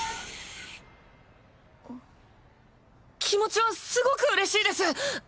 気持ちはすごくうれしいです。